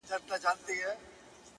• هم یې خزان هم یې بهار ښکلی دی,